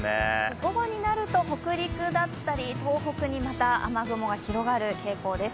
午後になると、北陸だったり東北にまた、雨雲が広がる傾向です